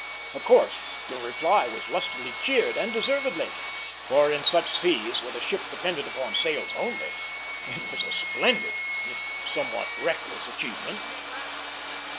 Of course the reply was lustily cheered, and deservedly; for in such seas, with a ship dependent upon sails only, it was a splendid, if somewhat reckless achievement.